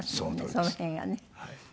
その辺がね。